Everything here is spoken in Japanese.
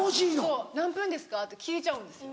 そう「何分ですか？」って聞いちゃうんですよ。